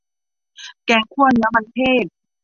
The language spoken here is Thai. แกงคั่วเนื้อมันเทศ